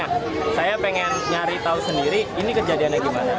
nah saya pengen nyari tahu sendiri ini kejadiannya gimana